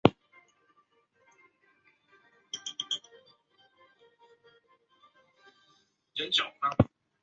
仁寿寺建于清朝乾隆二十六年。